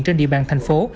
trên địa bàn thành phố